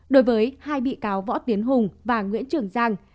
đối với hai bị cáo võ tiến hùng và nguyễn trường giang